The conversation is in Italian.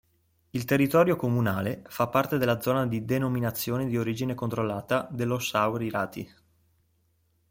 Il territorio comunale fa parte della zona di denominazione di origine controllata dell'ossau-iraty.